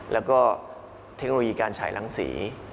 และก็เทคโนโลยีการสายล้างสี